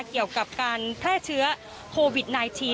เกี่ยวกับการแพร่เชื้อโควิด๑๙